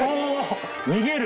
逃げる？